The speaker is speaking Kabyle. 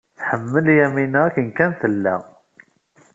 Tḥemmel Yamina akken kan tella.